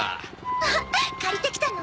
わあ借りてきたの？